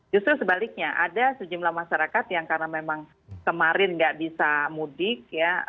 justru sebaliknya ada sejumlah masyarakat yang karena memang kemarin nggak bisa mudik ya